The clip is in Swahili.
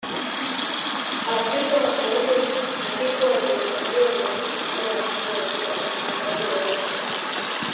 Afrika mashariki hazikuwa zimekaliwa na watu Kutokana na hali ya vita uchungaji na biashara